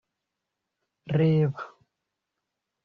reba